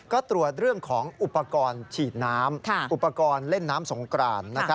ก็ตรวจเรื่องของอุปกรณ์ฉีดน้ำอุปกรณ์เล่นน้ำสงกราน